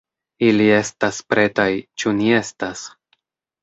Ili estas pretaj, ĉu ni estas?